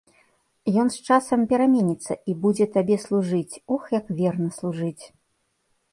Ён з часам пераменіцца і будзе табе служыць, ох, як верна служыць!